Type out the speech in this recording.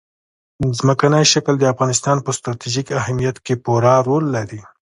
ځمکنی شکل د افغانستان په ستراتیژیک اهمیت کې پوره رول لري.